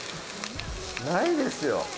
ないですよ